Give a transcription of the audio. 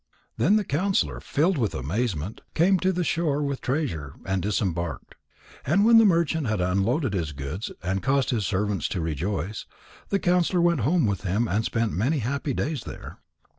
Then the counsellor, filled with amazement, came to the shore with Treasure, and disembarked. And when the merchant had unloaded his goods and caused his servants to rejoice, the counsellor went home with him and spent many happy days there.